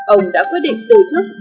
ông đã quyết định từ chức